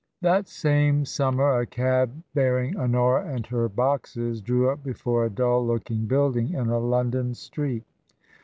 That same summer, a cab bearing Honora and her boxes drew up before a dull looking building in a London street.